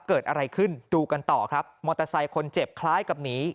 เกิดอะไรขึ้นดูกันต่อครับมอเตอร์ไซค์คนเจ็บคล้ายกับหนี